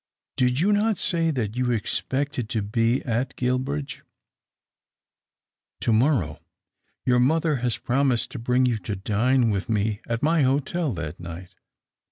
Did you not say that you expected to be at Guilbridge ?"" To morrow. Your mother has promised to bring you to dine with me at my hotel that night.